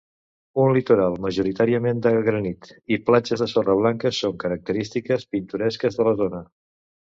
Un litoral majoritàriament de granit i platges de sorra blanca son característiques pintoresques de la zona.